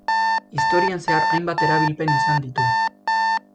Historian zehar hainbat erabilpen izan ditu.